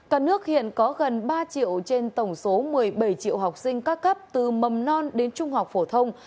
cả nước hiện có gần ba triệu trên tổng số một mươi bảy triệu học sinh các cấp từ mầm non đến trung học phổ thông